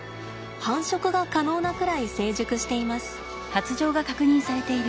繁殖が可能なくらい成熟しています。